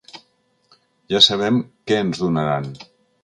Ja sabem què ens donaran.